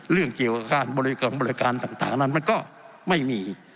เรื่องเกี่ยวกับการบริการต่างนั้นมันก็ไม่มี